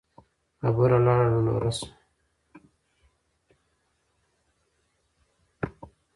خبره لاړه ډنډوره سوه